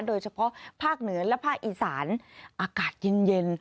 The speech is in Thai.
โดยเฉพาะภาคเหนือและภาคอีสานอากาศเย็น